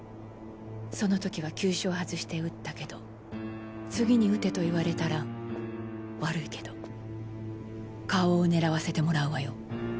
その時は急所を外して撃ったけど次に撃てと言われたら悪いけど顔を狙わせてもらうわよ。